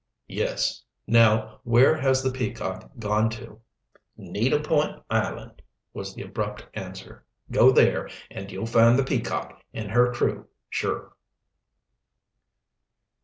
"Yes. Now where has the Peacock gone to?" "Needle Point Island," was the abrupt answer. "Go there, an' you'll find the Peacock and her crew, sure."